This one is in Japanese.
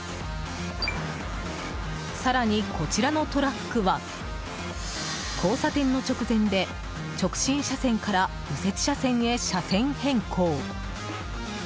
更に、こちらのトラックは交差点の直前で、直進車線から右折車線へ車線変更。